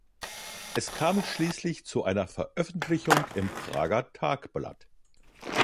Es kam schließlich zu einer Veröffentlichung im "Prager Tagblatt".